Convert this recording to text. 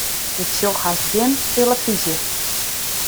Ik sjoch hast gjin telefyzje.